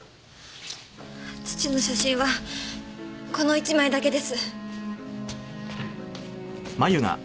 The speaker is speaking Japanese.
父の写真はこの１枚だけです。